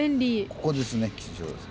ここですね吉祥寺。